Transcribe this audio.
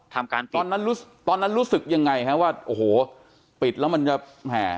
ตอนนั้นรู้สึกยังไงครับว่าโอ้โหปิดแล้วมันจะแห่